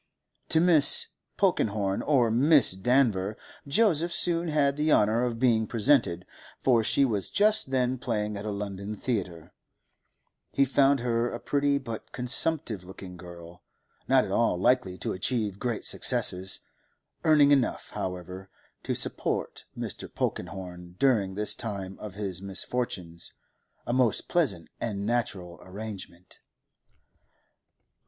To Mrs. Polkenhorne, or Miss Danver, Joseph soon had the honour of being presented, for she was just then playing at a London theatre; he found her a pretty but consumptive looking girl, not at all likely to achieve great successes, earning enough, however, to support Mr. Polkenhorne during this time of his misfortunes—a most pleasant and natural arrangement.